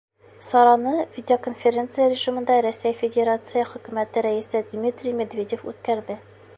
Сараны видеоконференция режимында Рәсәй Федерацияһы Хөкүмәте Рәйесе Дмитрий Медведев үткәрҙе.